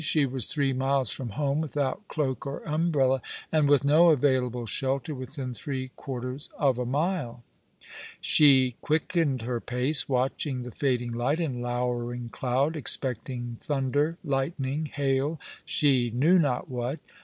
She was three miles from home, without cloak or umbrella, and with no available shelter within three quarters of a mile. She quickened her pace, watching the fading light and lowering cloud, expecting thunder, lightning, hail, she knew not what.